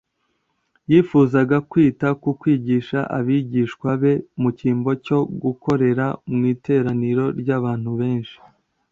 yifuzaga kwita ku kwigisha abigishwa be, mu cyimbo cyo gukorera mu iteraniro ry'abantu benshi'.